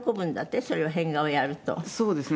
そうですね。